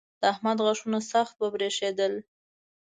د احمد غاښونه سخت وبرېښېدل.